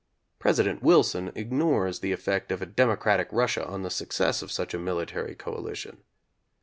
President Wilson ignores the effect of a democratic Russia on the success of such a military coalition.